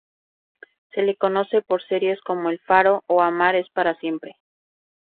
Se la conoce por series como "El faro" o "Amar es para siempre".